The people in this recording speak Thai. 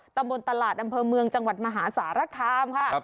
ตำบลตลาดอำเภอเมืองจังหวัดมหาสารคามค่ะ